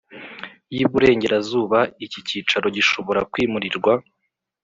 y Iburengerazuba Iki cyicaro gishobora kwimurirwa